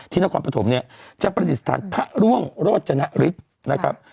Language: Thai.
ที่นักความประถมเนี่ยจังห์ประดิษฐานพระร่วงโรจนริตนะครับ